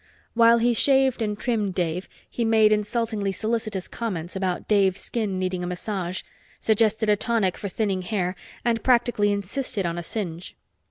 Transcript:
While he shaved and trimmed Dave, he made insultingly solicitous comments about Dave's skin needing a massage, suggested a tonic for thinning hair and practically insisted on a singe.